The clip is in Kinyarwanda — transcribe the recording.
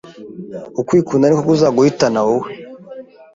Ukwikunda niko kuzaguhitana wowe